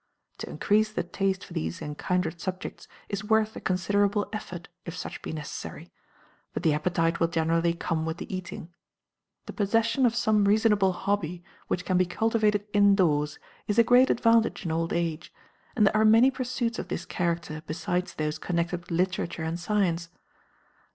To increase the taste for these and kindred subjects is worth a considerable effort, if such be necessary; but the appetite will generally come with the eating. The possession of some reasonable hobby which can be cultivated indoors is a great advantage in old age, and there are many pursuits of this character besides those connected with literature and science.